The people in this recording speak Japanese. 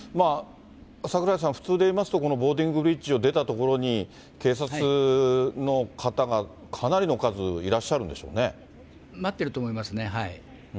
櫻井さん、普通で言いますと、ボーディングブリッジを出たところに警察の方がかなりの数、いら待ってると思いますね。